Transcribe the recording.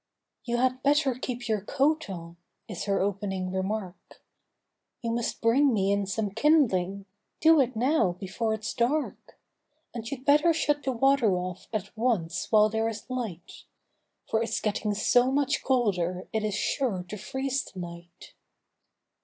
had better keep your coat on is her opening remark; i must bring me in some kindling— do it now before it's dark, you'd better shut the water off at once while there is light, s getting so much colder it is sure freeze tonight.